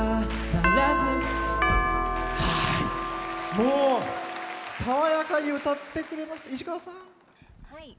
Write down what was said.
もう爽やかに歌ってくれました。